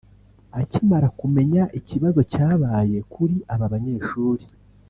Akimara kumenya ikibazo cyabaye kuri aba banyeshuri